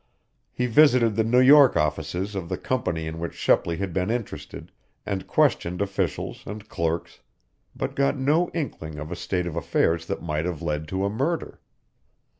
He visited the New York offices of the company in which Shepley had been interested, and questioned officials and clerks, but got no inkling of a state of affairs that might have led to a murder.